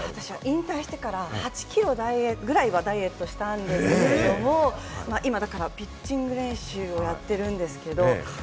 引退してから８キロぐらいダイエットしたんですけれども、今だからピッチング練習をやってるんですけれども。